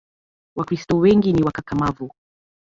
Wakristo wengi ni wakakamavu